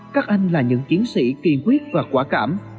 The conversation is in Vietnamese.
các anh là những chiến sĩ kiên quyết và quả cảm